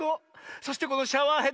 そしてこのシャワーヘッド。